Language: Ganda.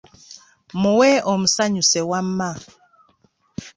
Muwe omusanyuse wamma.